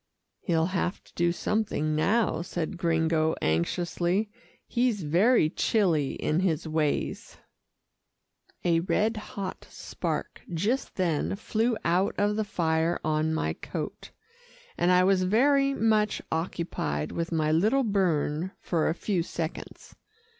"He'll have to do something now," said Gringo anxiously. "He's very chilly in his ways." A red hot spark just then flew out of the fire on my coat, and I was very much occupied with my little burn for a few seconds.